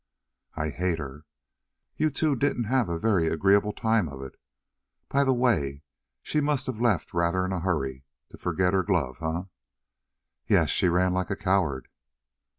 "I hate her!" "You two didn't have a very agreeable time of it? By the way, she must have left in rather a hurry to forget her glove, eh?" "Yes, she ran like a coward."